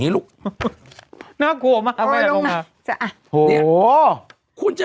เบลล่าเบลล่า